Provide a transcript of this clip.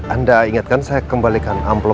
anda ingatkan saya kembalikan amplop